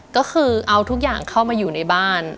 ก็คือเอาทุกอย่างเข้ามาอยู่ในบ้าน